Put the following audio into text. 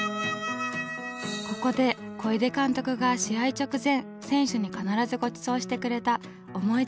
ここで小出監督が試合直前選手に必ずごちそうしてくれた思い出のうな重を頂くことに。